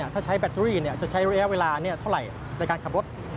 ถ้าใช้แบตเตอรี่จะใช้ระยะเวลาเท่าไหร่ในการขับรถ